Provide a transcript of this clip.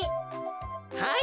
はい。